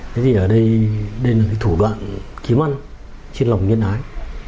thế thì ở đây đây là cái thủ đoạn kiếm ăn trên lòng nhân ái